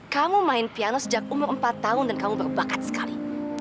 kamu main piano sejak umur empat tahun dan kamu berbakat sekali